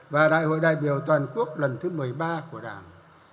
và đại hội đại biểu toàn quốc lần thứ một mươi ba của đảng